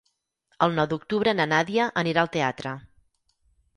El nou d'octubre na Nàdia anirà al teatre.